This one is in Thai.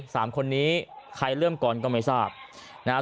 สามคนนี้ใครเริ่มก่อนก็ไม่ทราบนะฮะ